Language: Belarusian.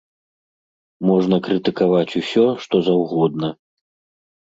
Можна крытыкаваць усё, што заўгодна.